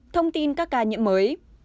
một thông tin các ca nhiễm mới